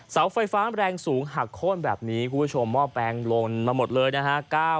เสาไฟฟ้าแรงสูงหักโค้นแบบนี้คุณผู้ชมหม้อแปลงลนมาหมดเลยนะฮะ